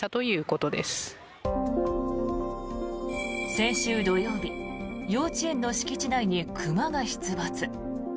先週土曜日幼稚園の敷地内に熊が出没。